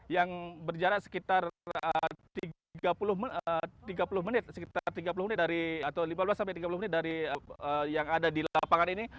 yang berjarak sekitar lima belas tiga puluh menit dari yang ada di lapangan ini